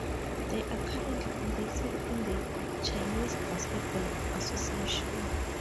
They are currently competing in the Chinese Basketball Association.